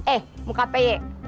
eh muka peyek